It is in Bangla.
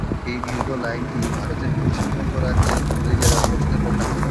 এই দীর্ঘ লাইনটি ভারতের পশ্চিমবঙ্গ রাজ্যের হুগলি জেলার মধ্যে প্রসারিত।